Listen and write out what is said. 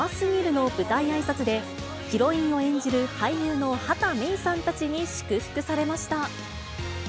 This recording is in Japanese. の舞台あいさつで、ヒロインを演じる俳優の畑芽育さんたちに祝福されました。